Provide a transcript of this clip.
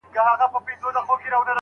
له روسیې سره د سوداګرۍ لارې بندې دي.